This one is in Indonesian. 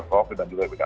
dan juga gbk